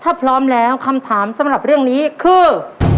ถ้าพร้อมแล้วคำถามสำหรับเรื่องนี้คือ